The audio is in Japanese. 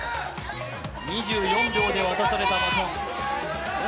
２４秒で渡されたバトン。